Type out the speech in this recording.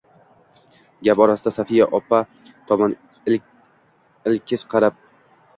Gap orasida Sofiya opa tomon ilkis qarab